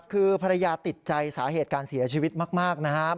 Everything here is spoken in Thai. คือภรรยาติดใจสาเหตุการเสียชีวิตมากนะครับ